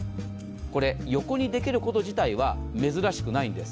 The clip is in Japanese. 横にできること自体は珍しくないんです。